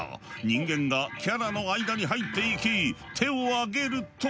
人間がキャラの間に入っていき手をあげると。